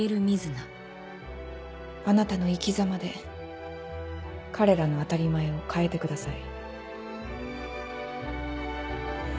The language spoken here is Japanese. あなたの生きざまで彼らの当たり前を変えてください。